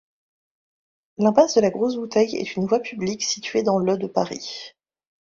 L'impasse de la Grosse-Bouteille est une voie publique située dans le de Paris.